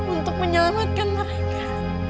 untuk menyelamatkan mereka